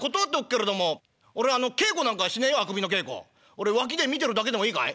俺脇で見てるだけでもいいかい？」。